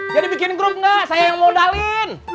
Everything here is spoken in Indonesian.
jadi bikin grup gak saya yang mau dalin